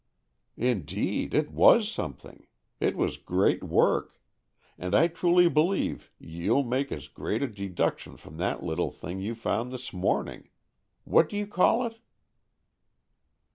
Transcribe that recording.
"Indeed it was something! It was great work. And I truly believe you'll make as great a deduction from that little thing you found this morning. What do you call it?"